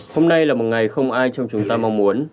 hôm nay là một ngày không ai trong chúng ta mong muốn